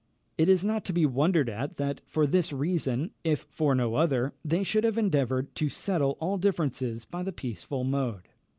It is not to be wondered at that, for this reason, if for no other, they should have endeavoured to settle all differences by the peaceful mode.